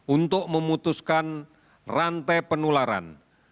untuk memutuskan rantai penularan